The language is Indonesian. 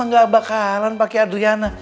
gak bakalan pake adriana